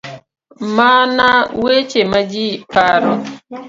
Mana weche ma ji paro.